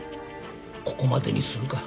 ここまでにするか。